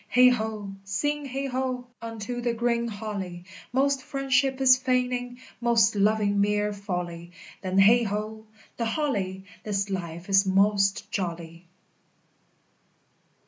Heigh ho! sing heigh ho! unto the green holly: Most friendship is feigning, most loving mere folly: Then, heigh ho, the holly! This life is most jolly!